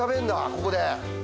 ここで。